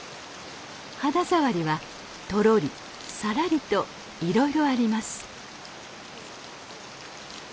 肌触りはとろりさらりといろいろあります。